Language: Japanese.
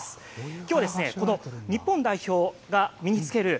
きょうはですね日本代表が身につける